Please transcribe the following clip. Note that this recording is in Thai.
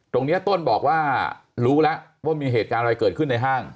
ต้นบอกว่ารู้แล้วว่ามีเหตุการณ์อะไรเกิดขึ้นในห้าง